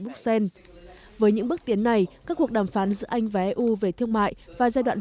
bruxelles với những bước tiến này các cuộc đàm phán giữa anh và eu về thương mại và giai đoạn